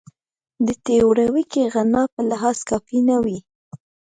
د تیوریکي غنا په لحاظ کافي نه وي.